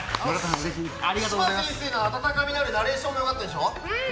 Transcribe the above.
嶋先生の温かみのあるナレーションも良かったでしょ。